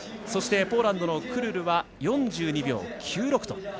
そしてポーランドのクルルは４２秒９６と。